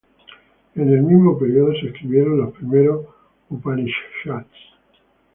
En el mismo período se escribieron los primeros Upanishads.